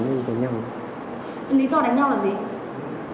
lý do đánh nhau là gì